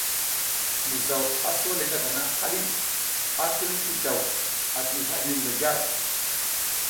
Mizaw a sole ngadana haɗi, a kil ti daw ati hadiyung le gar.